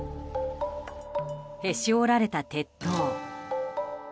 へし折られた鉄塔。